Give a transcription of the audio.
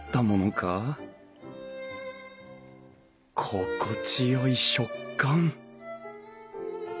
心地よい食感！